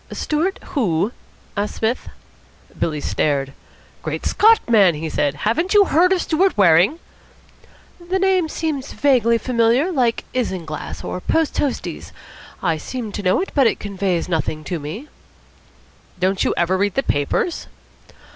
"Stewart who?" asked Psmith. Billy stared. "Great Scott, man!" he said, "haven't you heard of Stewart Waring?" "The name seems vaguely familiar, like Isinglass or Post toasties. I seem to know it, but it conveys nothing to me." "Don't you ever read the papers?"